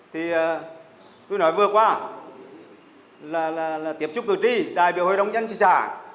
thì tôi nói vừa qua là tiếp xúc cử tri đại biểu hội đồng nhân trị trả